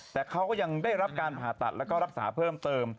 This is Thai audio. แต่เขาก็ยังได้รับการผ่าตัดแล้วก็รักษาเพิ่มเติม